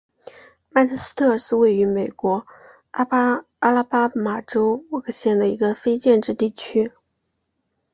曼彻斯特是位于美国阿拉巴马州沃克县的一个非建制地区。